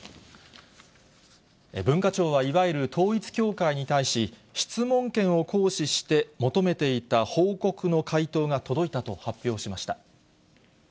文化庁は、いわゆる統一教会に対し、質問権を行使して求めていた報告の回答が届いたと発表しました。